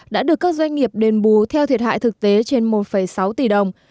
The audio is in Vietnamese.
đã được các doanh nghiệp đền bù theo thiệt hại thực tế trên một sáu tỷ đồng